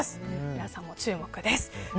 皆さんも注目です。